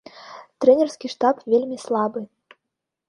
Трэнерскі штаб вельмі слабы.